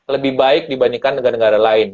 lebih baik dibandingkan negara negara lain